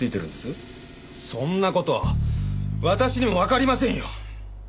そんな事私にもわかりませんよ。